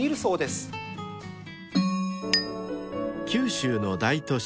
［九州の大都市］